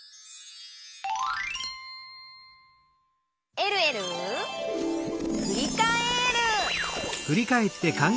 「えるえるふりかえる」